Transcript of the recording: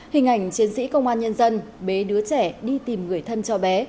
hình ảnh chiến sĩ công an nhân dân bế đứa trẻ đi tìm người thân cho bé